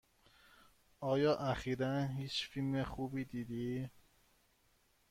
آیا اخیرا هیچ فیلم خوبی دیدی؟